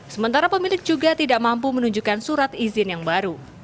sementara pemilik juga tidak mampu menunjukkan surat izin yang baru